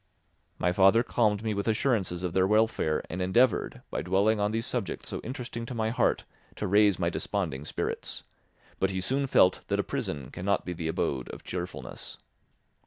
My father calmed me with assurances of their welfare and endeavoured, by dwelling on these subjects so interesting to my heart, to raise my desponding spirits; but he soon felt that a prison cannot be the abode of cheerfulness.